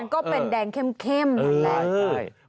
ก็เป็นแดงเข้มนั่นแหละ